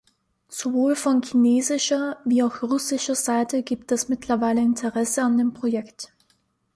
Sowohl von chinesischer wie auch russischer Seite gibt es mittlerweile Interesse an dem Projekt.